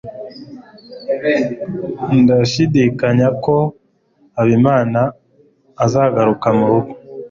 Ndashidikanya ko Habimana azagaruka murugo.